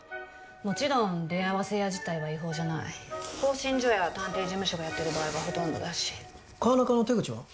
もちろん出会わせ屋自体は違法じゃない興信所や探偵事務所がやってる場合がほとんどだし川中の手口は？